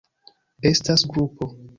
Estas grupo.